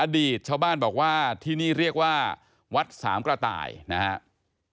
ชาวบ้านบอกว่าที่นี่เรียกว่าวัดสามกระต่ายนะครับ